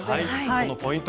そのポイント